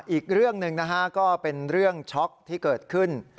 อีกเรื่องหนึ่งนะฮะก็เป็นเรื่องช็อกที่เกิดขึ้น